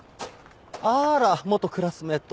あら元クラスメート。